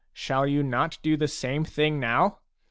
Shall you not do the same thing now